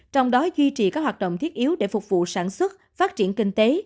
trong đó duy trì các hoạt động thiết yếu để phục vụ sản xuất phát triển kinh tế